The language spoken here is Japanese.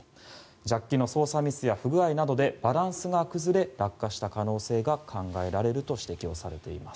ジャッキの操作ミスや不具合などでバランスが崩れ落下したとみられると考えられると指摘をされています。